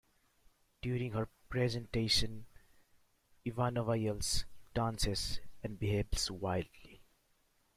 During her "presentation" Ivanova yells, dances, and behaves wildly.